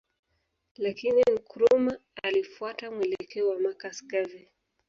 Lakini Nkrumah alifuata mwelekeo wa Marcus Garvey